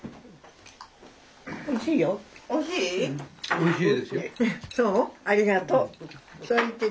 おいしい？